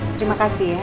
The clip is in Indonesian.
terima kasih ya